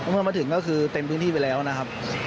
เมื่อมาถึงก็คือเต็มพื้นที่ไปแล้วนะครับ